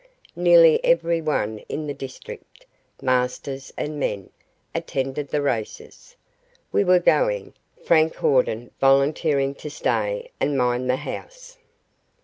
Nearly every one in the district masters and men attended the races. We were going, Frank Hawden volunteering to stay and mind the house.